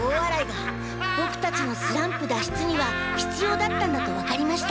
ボクたちのスランプだっ出にはひつようだったんだとわかりました。